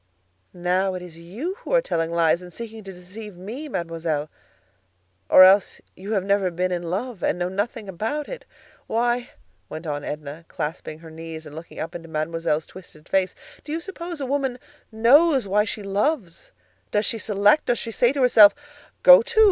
"Now it is you who are telling lies and seeking to deceive me, Mademoiselle; or else you have never been in love, and know nothing about it. Why," went on Edna, clasping her knees and looking up into Mademoiselle's twisted face, "do you suppose a woman knows why she loves? Does she select? Does she say to herself: 'Go to!